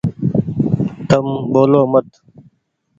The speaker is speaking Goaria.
تم ٻولو مت ۔